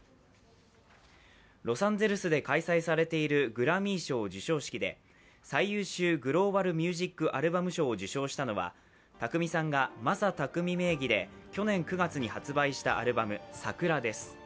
ロサンゼルスで開催されているグラミー賞授賞式で、最優秀グローバル・ミュージック・アルバム賞を受賞したのは宅見さんがＭＡＳＡＴＡＫＵＭＩ名義で去年９月に発売したアルバム「ＳＡＫＵＲＡ」です。